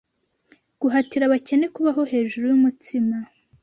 Guhatira abakene kubaho hejuru yumutsima